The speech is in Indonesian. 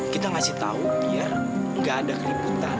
kita ngasih tau biar gak ada keributan